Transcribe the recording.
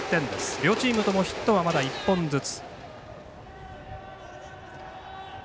両チームともヒットはまだ１本ずつ。